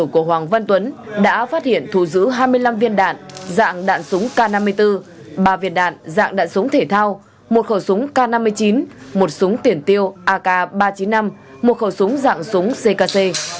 có hai mươi năm viên đạn dạng đạn súng k năm mươi bốn ba viên đạn dạng đạn súng thể thao một khẩu súng k năm mươi chín một súng tiển tiêu ak ba trăm chín mươi năm một khẩu súng dạng súng ckc